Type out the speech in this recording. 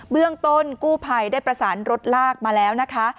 เรื่องต้นกู้ภัยได้ประสานรถลากมาแล้วนะคะ